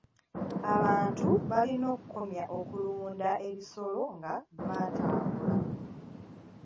Abantu balina okukomya okulunda ebisolo nga batambula.